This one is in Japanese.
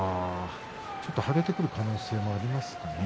ちょっと腫れてくる可能性がありますかね。